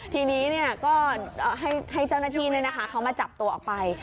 ทีนี้ก็ให้เจ้าหน้าที่เขามาจับตัวออกไป